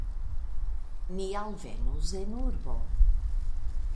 Ni alvenus en urbo.